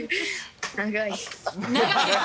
長い。